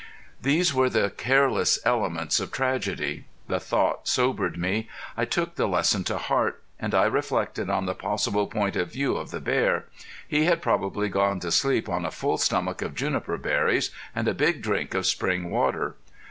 These were the careless elements of tragedy. The thought sobered me. I took the lesson to heart. And I reflected on the possible point of view of the bear. He had probably gone to sleep on a full stomach of juniper berries and a big drink of spring water.